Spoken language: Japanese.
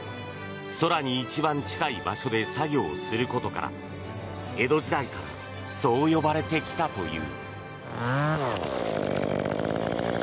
空に一番近い場所で作業することから江戸時代からそう呼ばれてきたという。